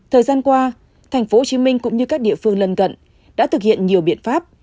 thời gian qua tp hcm cũng như các địa phương lân cận đã thực hiện nhiều biện pháp